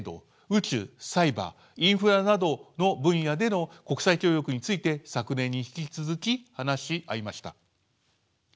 宇宙サイバーインフラなどの分野での国際協力について昨年に引き続き話し合いました。